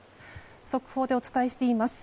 速報でお伝えしています。